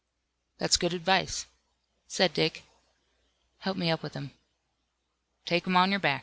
"That's good advice," said Dick. "Help me up with him." "Take him on your back.